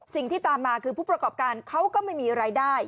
สิ่งที่ตามมาคือผู้ประกอบการเขาก็ไม่มีรายได้